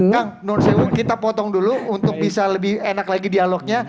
kang nur sewu kita potong dulu untuk bisa lebih enak lagi dialognya